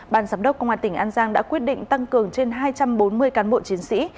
ban giám đốc công an tỉnh an giang đã quyết định tăng cường trên hai trăm bốn mươi cán bộ chiến sĩ